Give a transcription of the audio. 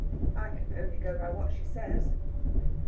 "I can only go by what she says."